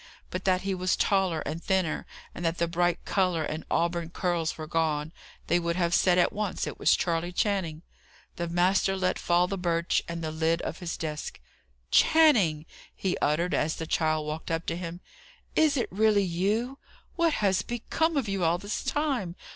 But that he was taller and thinner, and that the bright colour and auburn curls were gone, they would have said at once it was Charley Channing. The master let fall the birch and the lid of his desk. "Channing!" he uttered, as the child walked up to him. "Is it really you? What has become of you all this time?